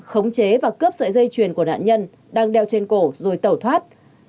khống chế và cướp sợi dây chuyền của nạn nhân đang đeo trên cổ rồi tẩu thoát